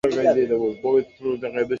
মানুষের সব রকম রূপ থাকে, মেই।